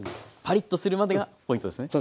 パリッとするまでがポイントですね。